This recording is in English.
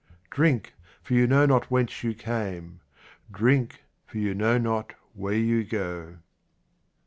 Drink, for you know not whence you came. Drink, for you know not where you go.